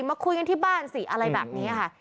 มาคุยกันที่บ้านสิอะไรแบบนี้ค่ะ